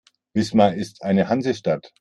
Wismar ist eine Hansestadt.